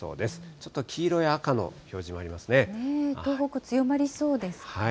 ちょっと黄色や赤の表示もありま東北、強まりそうですか。